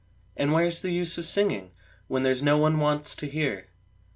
And where's the use of singing, when there's no one wants to hear?